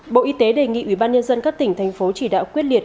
bộ y tế đề nghị ủy ban nhân dân các tỉnh thành phố chỉ đạo quyết liệt